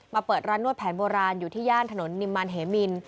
เปิดร้านนวดแผนโบราณอยู่ที่ย่านถนนนิมมันเหมิน